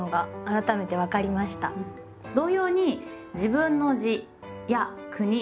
同様に自分の「自」や「国」。